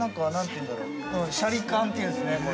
◆うん、シャリ感って言うんですね、これ。